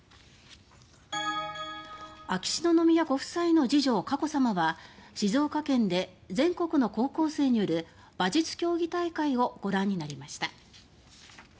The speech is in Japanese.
秋篠宮ご夫妻の次女佳子さまは静岡県で全国の高校生による馬術競技大会をご覧になりました。